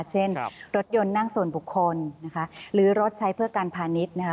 เช่นรถยนต์นั่งส่วนบุคคลนะคะหรือรถใช้เพื่อการพาณิชย์นะคะ